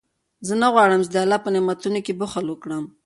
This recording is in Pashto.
زه نه غواړم چې د الله په نعمتونو کې بخل وکړم.